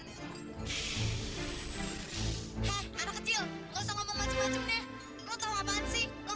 mak anak kecil